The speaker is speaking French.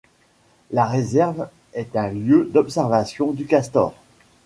La réserve est un lieu d'observation du castor.